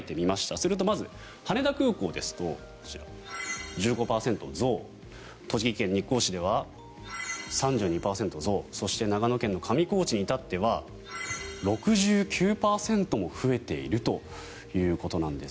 すると、まず羽田空港ですと１５％増栃木県日光市では３２％増そして長野県の上高地に至っては６９％も増えているということです。